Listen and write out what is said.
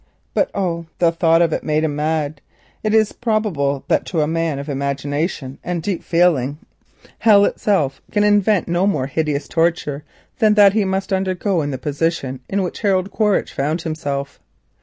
But, oh, the thought of it made him mad. It is probable that to a man of imagination and deep feeling hell itself can invent no more hideous torture than he must undergo in the position in which Harold Quaritch found himself.